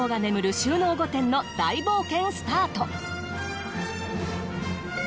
収納御殿の大冒険スタート！